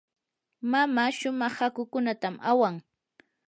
mamaa shumaq hakukunatam awan.